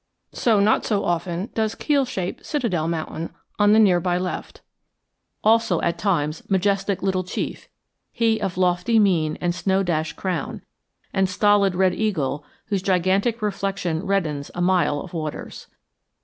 So, not so often, does keel shaped Citadel Mountain on the near by left; also, at times, majestic Little Chief, he of lofty mien and snow dashed crown, and stolid Red Eagle, whose gigantic reflection reddens a mile of waters.